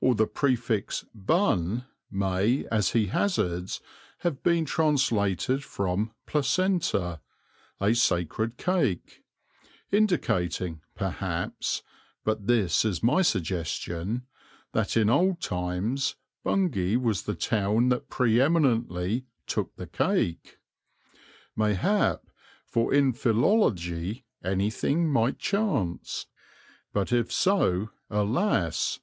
Or the prefix 'Bun' may, as he hazards, have been translated from 'placenta,' 'a sacred cake,' indicating, perhaps but this is my suggestion that in old times Bungay was the town that pre eminently 'took the cake.' Mayhap, for in philology anything might chance; but if so, alas!